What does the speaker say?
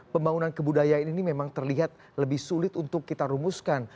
pembangunan kebudayaan ini memang terlihat lebih sulit untuk kita rumuskan